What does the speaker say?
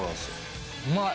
うまい！